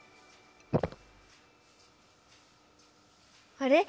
あれ？